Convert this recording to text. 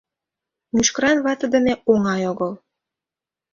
Мӱшкыран вате дене оҥай огыл...